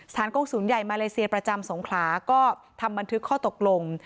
กงศูนย์ใหญ่มาเลเซียประจำสงขลาก็ทำบันทึกข้อตกลง